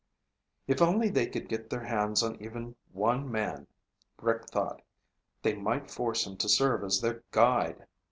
If only they could get their hands on even one man, Rick thought, they might force him to serve as their guide!